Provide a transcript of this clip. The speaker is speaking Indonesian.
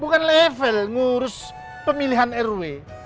bukan level ngurus pemilihan rw